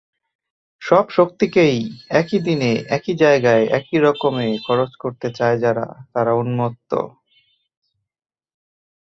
সব শক্তিকেই একই দিকে একই জায়গায় একই রকমে খরচ করতে চায় যারা তারা উন্মত্ত।